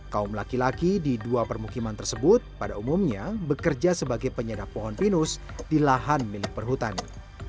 kaum laki laki di dua permukiman tersebut pada umumnya bekerja sebagai penyedap pohon pinus di lahan milik perhutani